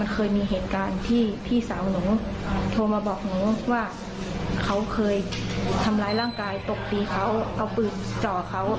เขาเคยทำร้ายร่างกายตกตีเขาเอาปืนเจาะเขา